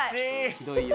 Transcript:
ひどいよ。